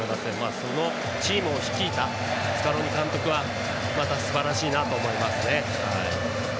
そのチームを率いたスカローニ監督もまたすばらしいなと思いますね。